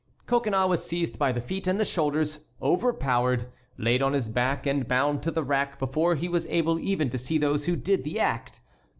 Coconnas was seized by the feet and the shoulders, overpowered, laid on his back, and bound to the rack before he was able even to see those who did the act.